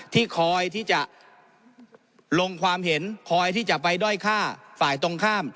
ที่คอยที่จะลงความเห็นคอยที่จะไปด้อยฆ่าฝ่ายตรงข้าม